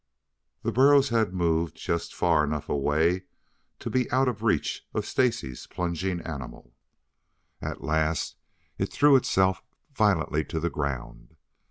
The burros had moved just far enough away to be out of reach of Stacy's plunging animal. At last it threw itself violently to the ground.